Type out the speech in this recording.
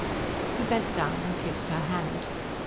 He bent down and kissed her hand.